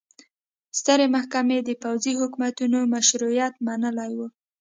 سترې محکمې د پوځي حکومتونو مشروعیت منلی و.